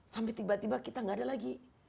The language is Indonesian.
sampai tiba tiba kita nggak ada lagi